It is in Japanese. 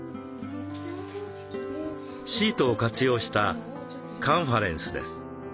シートを活用したカンファレンスです。